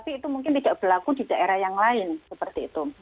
tapi itu mungkin tidak berlaku di daerah yang lain seperti itu